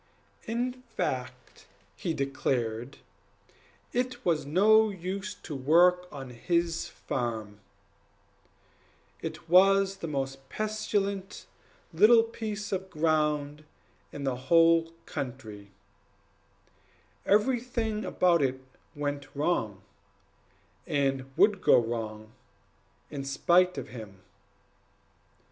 In fact, he declared it was of no use to work on his farm; it was the most pestilent little piece of ground in the whole country; everything about it went wrong, and would go wrong, in spite of him.